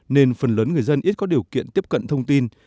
nên phần lớn người dân ít có điều kiện tiếp cận thông tin